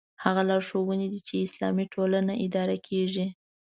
هغه لارښوونې دي چې اسلامي ټولنه اداره کېږي.